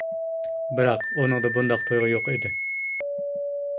بىراق، ئۇنىڭدا بۇنداق تۇيغۇ يوق ئىدى.